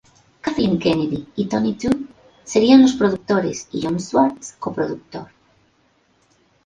Kathleen Kennedy y Tony To serían los productores y John Swartz, coproductor.